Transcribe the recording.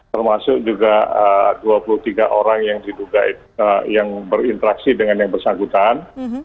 termasuk juga dua puluh tiga orang yang berinteraksi dengan yang bersangkutan